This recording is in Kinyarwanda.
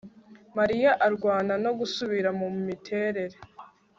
Mariya arwana no gusubira mumiterere